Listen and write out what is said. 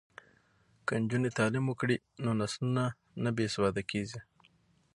که نجونې تعلیم وکړي نو نسلونه نه بې سواده کیږي.